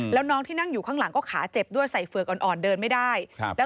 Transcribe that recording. แล้วน้องที่นั่งอยู่ข้างหลังก็ขาเจ็บด้วยใส่เฝือกอ่อนเดินไม่ได้